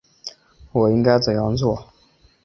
我应该怎样做？